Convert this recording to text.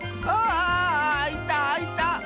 ああいたあいた！